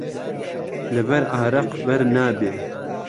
له بهر عارهق بهر نابێ